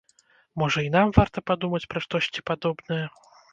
Можа, і нам варта падумаць пра штосьці падобнае?